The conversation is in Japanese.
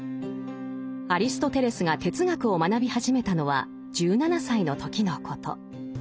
アリストテレスが哲学を学び始めたのは１７歳の時のこと。